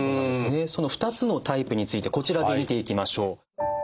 その２つのタイプについてこちらで見ていきましょう。